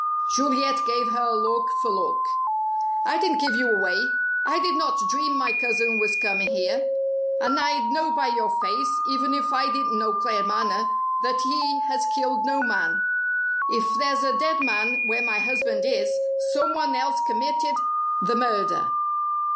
Juliet gave her look for look. "I didn't give you away. I did not dream my cousin was coming here! And I'd know by your face, even if I didn't know Claremanagh, that he has killed no man. If there's a dead man where my husband is, someone else committed the murder."